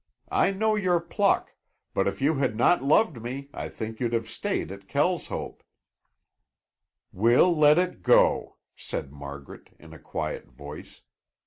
I know your pluck, but if you had not loved me, I think you'd have stayed at Kelshope." "We'll let it go," said Margaret in a quiet voice.